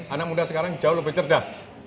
anak muda sekarang jauh lebih cerdas